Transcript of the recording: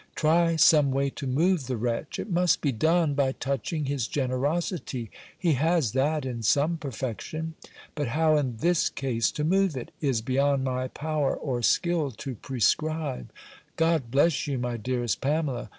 Try some way to move the wretch. It must be done by touching his generosity: he has that in some perfection. But how in this case to move it, is beyond my power or skill to prescribe. God bless you, my dearest Pamela!